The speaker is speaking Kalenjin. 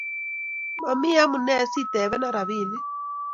Mami amune si itepena rapinik